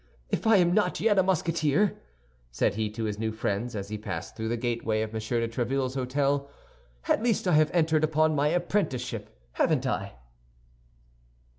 "If I am not yet a Musketeer," said he to his new friends, as he passed through the gateway of M. de Tréville's hôtel, "at least I have entered upon my apprenticeship, haven't I?"